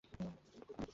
মা, বাবা, রাজ্য।